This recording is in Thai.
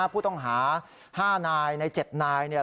ผู้ต้องหา๕นายใน๗นายเนี่ย